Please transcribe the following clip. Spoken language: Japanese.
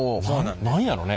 何やろね。